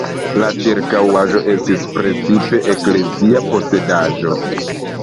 La ĉirkaŭaĵo estis precipe eklezia posedaĵo.